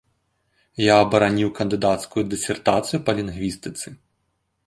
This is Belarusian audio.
Я абараніў кандыдацкую дысертацыю па лінгвістыцы.